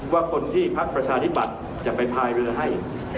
ว่าคนที่พักประชาธิปัตย์จะไปพายเรือให้